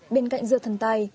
bên cạnh dưa thần tài